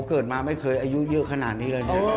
เกิดมาไม่เคยอายุเยอะขนาดนี้